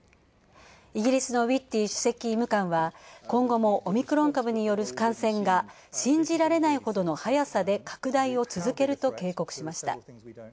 イギリスのウィッティ首席医務官は、今後もオミクロン株による感染が信じられないほどの速さで拡大を続けると警告しました。